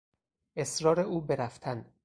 اصرار او به رفتن